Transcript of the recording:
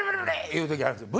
言う時あるんすよ。